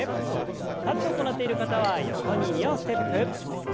立って行っている方は横に２歩ステップ。